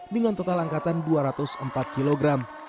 dengan total angkatan dua ratus empat kilogram